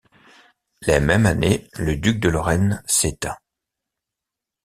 La même année, le duc de Lorraine s'éteint.